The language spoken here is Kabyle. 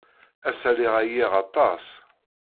Ass-a, lliɣ ɛyiɣ aṭas.